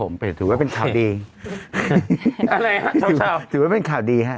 ฉันถือว่าเป็นข่าวดี